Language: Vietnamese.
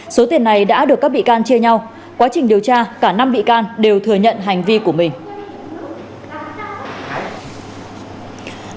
số tiền này đã được các bị can chia nhau quá trình điều tra cả năm bị can đều thừa nhận hành vi của mình